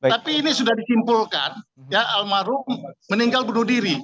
tapi ini sudah disimpulkan ya almarhum meninggal bunuh diri